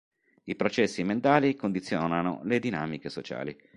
I processi mentali condizionano le dinamiche sociali.